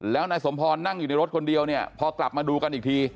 แล้วนายสมพรนั่งอยู่ในรถคนเดียวเนี่ยพอกลับมาดูกันอีกที